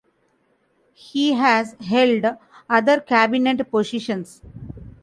He has held other cabinet positions.